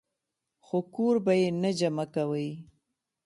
خو کور به ئې نۀ جمع کوئ -